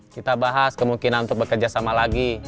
kita bahas kemungkinan untuk bekerja sama lagi